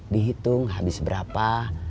dihitung habis berapa